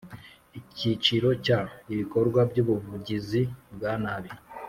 Icyiciro cya Ibikorwa by ubugizi bwa nabi